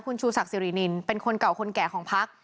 คุณชูศักดิรินินเป็นคนเก่าคนแก่ของพัก